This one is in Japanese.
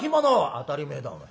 「当たり前だお前。